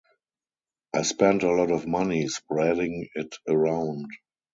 I spent a lot of money spreading it around.